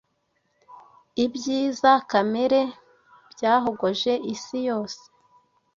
Ibyiza kamere byahogoje isi yose